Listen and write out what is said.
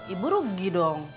ibu rugi dong